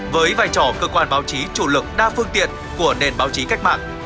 với vai trò cơ quan báo chí chủ lực đa phương tiện của nền báo chí cách mạng